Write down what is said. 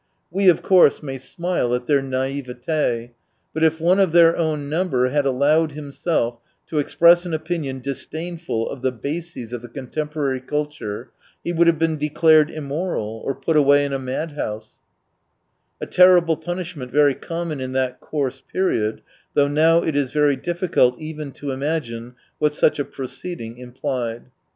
We, of course, may smile at their naivet6, but if one of thdr own number had allowed himself to express an opinion disdainful of the bases of the contemporary culture he would have been declared immoral, or put away in a mad house : a terrible punish ment, very common in that coarse period, though now it is very difficult even to imagine what such a proceeding implied.